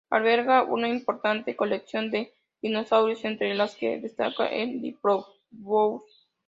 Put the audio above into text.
Alberga una importante colección de dinosaurios entre las que destaca el "Diplodocus".